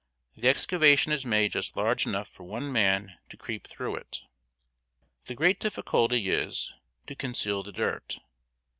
The excavation is made just large enough for one man to creep through it. The great difficulty is, to conceal the dirt.